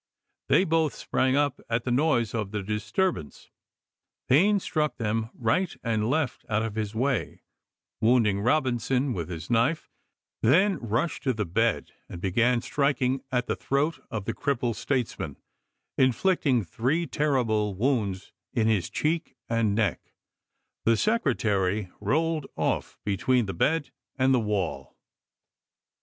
They both sprang up at the noise of the disturbance ; Payne struck them right and left out of his way, wound ing Robinson with his knife ; then rushed to the bed and began striking at the throat of the crip pled statesman, inflicting three terrible wounds in his cheek and neck; the Secretary rolled off between the bed and the wall.